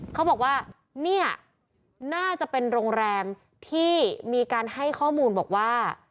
เขาบอกว่าเนี่ยน่าจะเป็นโรงแรมที่มีการให้ข้อมูลบอกว่า